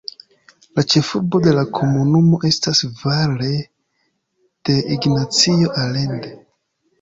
La ĉefurbo de la komunumo estas Valle de Ignacio Allende.